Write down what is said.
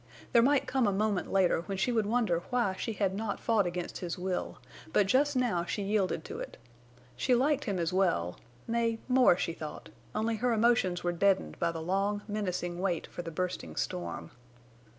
There might come a moment later when she would wonder why she had not fought against his will, but just now she yielded to it. She liked him as well—nay, more, she thought, only her emotions were deadened by the long, menacing wait for the bursting storm.